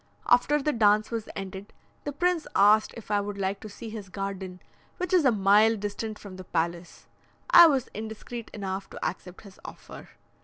After the dance was ended, the prince asked if I would like to see his garden, which is a mile distant from the palace. I was indiscreet enough to accept his offer.